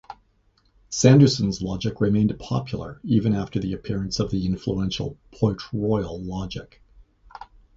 Sanderson's logic remained popular even after the appearance of the influential Port-Royal Logic.